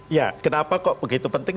ya kenapa kok begitu penting